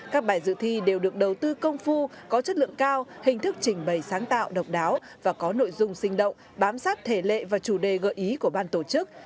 các bài dự thi đều được đầu tư công phu có chất lượng cao hình thức trình bày sáng tạo độc đáo và có nội dung sinh động bám sát thể lệ và chủ đề gợi ý của ban tổ chức